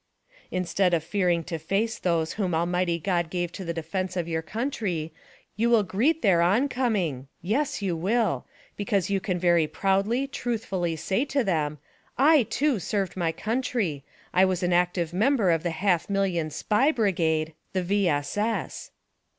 Instead of fearing to face those whom Almighty God gave to the defense of your COUNTRY, you will greet their oncoming ; j es — you will ; because you can very proudly, truthfully sav to them : "I, too, served mv countrv. I was an active member of the half million SPY BRIGADE, the V. S. S."